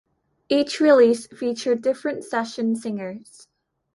Each release featured different session singers.